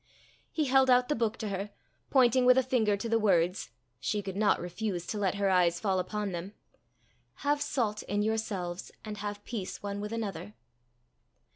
He held out the book to her, pointing with a finger to the words she could not refuse to let her eyes fall upon them "Have salt in yourselves, and have peace one with another."